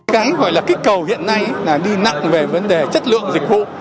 cái gọi là kích cầu hiện nay là đi nặng về vấn đề chất lượng dịch vụ